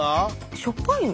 しょっぱいの？